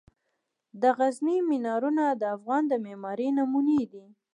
د غزني مینارونه د افغان د معمارۍ نمونه دي.